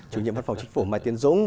chủ nhiệm văn phòng chính phủ mai tiến dũng